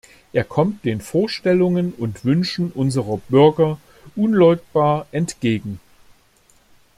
Er kommt den Vorstellungen und Wünschen unserer Bürger unleugbar entgegen.